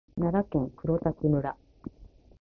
奈良県黒滝村